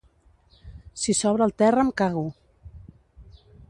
Si s'obre el terra em cago!